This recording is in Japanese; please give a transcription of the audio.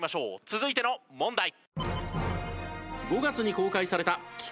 続いての問題。